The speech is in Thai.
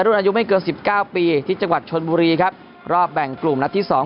รุ่นอายุไม่เกินสิบเก้าปีที่จังหวัดชนบุรีครับรอบแบ่งกลุ่มนัดที่สอง